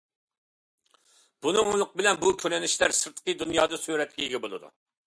بۇنىڭلىق بىلەن بۇ كۆرۈنۈشلەر سىرتقى دۇنيادا سۈرەتكە ئىگە بولىدۇ.